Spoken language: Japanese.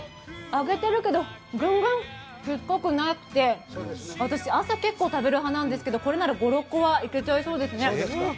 揚げてるけど全然しつこくなくて、私、朝、結構食べる派なんですけどこれなら５６個はいけちゃいそうですね。